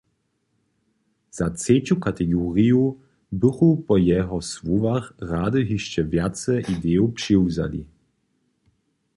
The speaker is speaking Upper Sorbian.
Za třeću kategoriju bychu po jeho słowach rady hišće wjace idejow přiwzali.